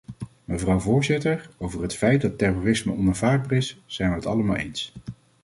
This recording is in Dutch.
Mevrouw voorzitter, over het feit dat terrorisme onaanvaardbaar is, zijn we het allemaal eens.